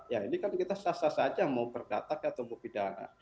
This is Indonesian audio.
ya ini kan kita sah sah saja mau berdatakan atau mau pidana